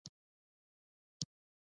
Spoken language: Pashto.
خوړل د روژه ماتی ښایسته کوي